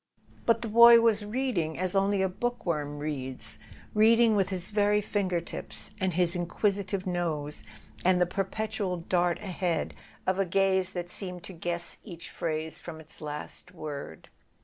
But the boy was reading as only a bookworm reads—read¬ ing with his very finger tips, and his inquisitive nose, and the perpetual dart ahead of a gaze that seemed to guess each phrase from its last word.